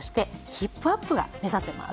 ヒップアップが目指せます。